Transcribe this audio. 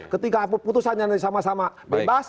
ketika putusan yang sama sama bebas